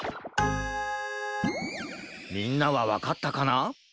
みんなはわかったかな？